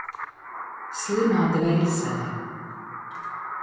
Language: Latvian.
Slimā dvēsele.